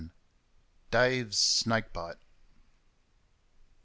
Dave's Snakebite.